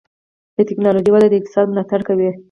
د ټکنالوجۍ وده د اقتصاد ملاتړ کوي.